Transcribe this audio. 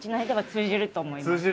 通じると思います。